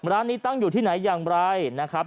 ร้านนี้ตั้งอยู่ที่ไหนอย่างไรนะครับ